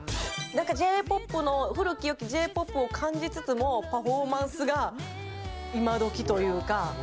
何かＪ−ＰＯＰの古き良きＪ−ＰＯＰを感じつつもパフォーマンスが今どきというか。